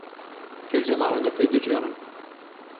کەی زەماوەندەکەی دەگێڕن؟